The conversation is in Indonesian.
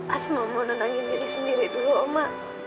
asma mau nenangin diri sendiri dulu oma